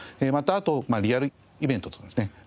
またあとリアルイベントとのですね